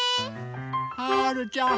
はるちゃん